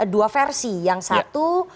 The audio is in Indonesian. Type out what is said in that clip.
dua versi yang satu